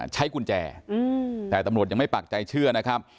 ใช้กุญแจแต่ตำรวจยังไม่ปากใจเชื่อนะครับ